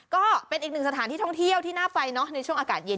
ก็เป็นอีกหนึ่งสถานที่ท่องเที่ยวที่น่าไฟเนอะในช่วงอากาศเย็น